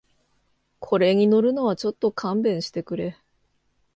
これに乗るのはちょっと勘弁してくれ